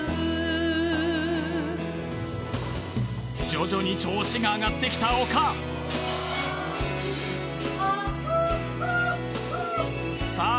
徐々に調子が上がってきた丘さあ